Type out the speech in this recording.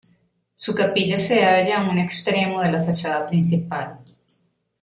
Su capilla se halla en un extremo de la fachada principal.